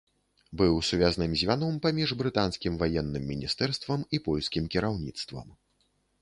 Быў сувязным звяном паміж брытанскім ваенным міністэрствам і польскім кіраўніцтвам.